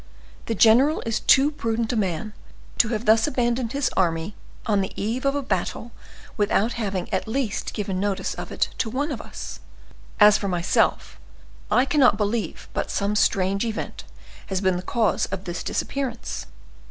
The general is too prudent a man to have thus abandoned his army on the eve of a battle without having at least given notice of it to one of us. As for myself, I cannot believe but some strange event has been the cause of this disappearance.